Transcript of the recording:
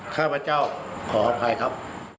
ข้าพเจ้าขออภัยครับ